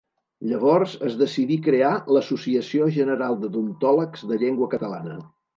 Llavors es decidí crear l'Associació General d'Odontòlegs de Llengua Catalana.